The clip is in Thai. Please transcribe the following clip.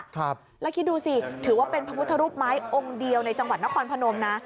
ครับแล้วคิดดูสิถือว่าเป็นพระพุทธรูปไม้องค์เดียวในจังหวัดนครพนมนะ